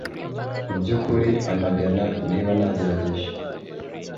mubyukuri, amagana niba nagerageje